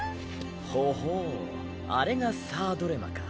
ほほうあれがサードレマか。